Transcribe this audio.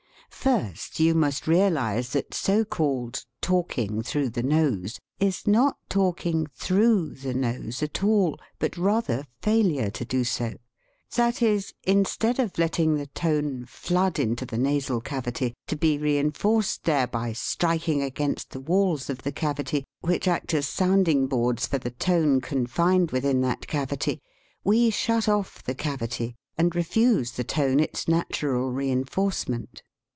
First, you must realize that so called " talk ing through the nose '' is not talking through the nose at all, but rather failure to do so that is, instead of letting the tone flood into the nasal cavity, to be re enforced there by striking against the walls of the cavity, which act as sounding boards for the tone confined within that cavity, we shut off the cavity, and refuse the tone its natural re enforcement.